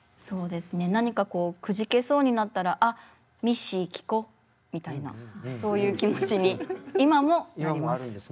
何かこうくじけそうになったらあっミッシー聴こみたいなそういう気持ちに今もなります。